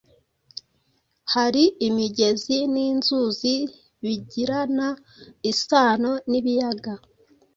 Hari imigezi n’inzuzi bigirana isano n’ibiyaga